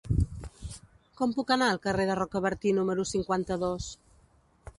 Com puc anar al carrer de Rocabertí número cinquanta-dos?